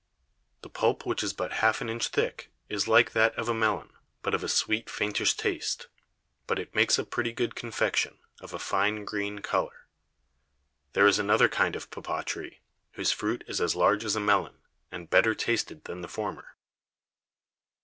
The Pulp, which is but half an Inch thick, is like that of a Melon, but of a sweet faintish Taste; but it makes a pretty good Confection, of a fine green Colour. There is another kind of Papaw Tree, whose Fruit is as large as a Melon, and better tasted than the former.